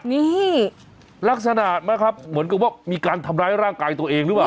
นี่ลักษณะนะครับเหมือนกับว่ามีการทำร้ายร่างกายตัวเองหรือเปล่า